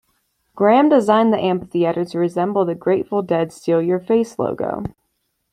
Graham designed the amphitheatre to resemble The Grateful Dead's "steal your face" logo.